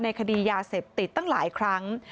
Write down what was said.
คดียาเสพติดตั้งหลายครั้ง